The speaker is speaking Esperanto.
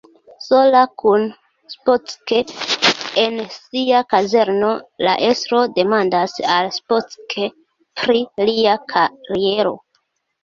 Sola kun Spock en sia kazerno, la estro demandas al Spock pri lia kariero.